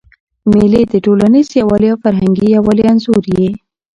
مېلې د ټولنیز یووالي او فرهنګي یووالي انځور يي.